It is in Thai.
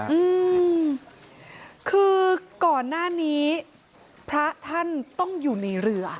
อืมคือก่อนหน้านี้พระท่านต้องอยู่ในเรือ